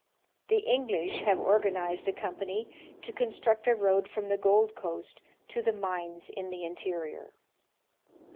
The English have organized a company to construct a road from the Gold Coast to the mines in the interior.